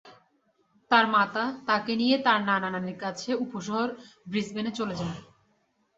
তার মাতা তাকে নিয়ে তার নানা-নানীর কাছে উপশহর ব্রিসবেনে চলে যান।